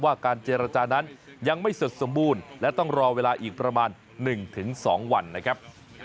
การเจรจานั้นยังไม่เสร็จสมบูรณ์และต้องรอเวลาอีกประมาณ๑๒วันนะครับ